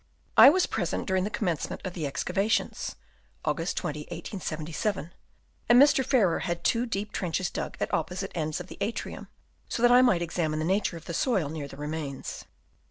I was present during the commencement of the excavations (August 20, 1877) and Mr. Farrer had two deep trenches dug at opposite ends of the atrium, so that I might examine the nature of the soil near the remains.